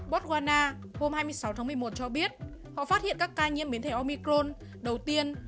bottwana hôm hai mươi sáu tháng một mươi một cho biết họ phát hiện các ca nhiễm biến thể omicron đầu tiên